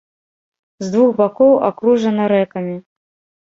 З двух бакоў акружана рэкамі.